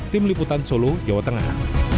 tim liputan solo jawa tengah